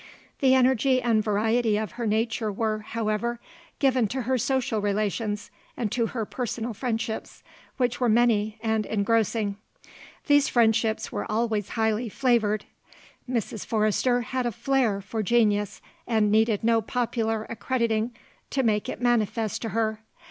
The energy and variety of her nature were, however, given, to her social relations and to her personal friendships, which were many and engrossing. These friendships were always highly flavoured. Mrs. Forrester had a flair for genius and needed no popular accrediting to make it manifest to her.